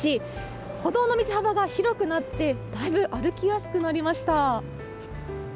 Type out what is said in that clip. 歩道の道幅が広くなってだいぶ歩きやすくなりました。